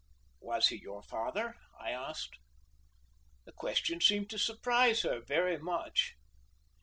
"Was he your father?" I asked. The question seemed to surprise her very much.